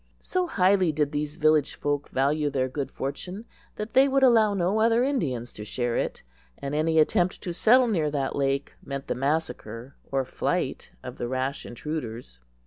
So highly did these village folk value their good fortune that they would allow no other Indians to share it, and any attempt to settle near that lake meant the massacre or flight of the rash intruders.